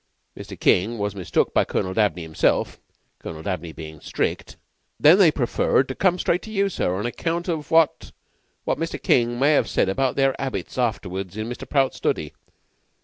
Mr. King was mistook by Colonel Dabney himself Colonel Dabney bein' strict. Then they preferred to come straight to you, sir, on account of what what Mr. King may 'ave said about their 'abits afterwards in Mr. Prout's study.